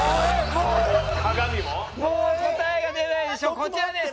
もう答えが出ないこちらです。